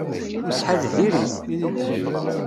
Lḥal diri-t.